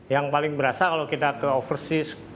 yang paling berasa kalau kita ke oversis